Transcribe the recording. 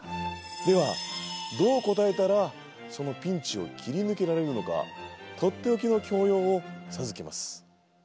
ではどう答えたらそのピンチを切り抜けられるのかとっておきの教養を授けます。